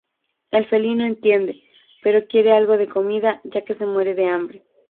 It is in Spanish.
El felino entiende, pero quiere algo de comida ya que se muere de hambre.